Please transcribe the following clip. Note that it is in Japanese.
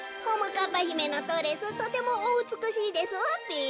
かっぱひめのドレスとてもおうつくしいですわべ。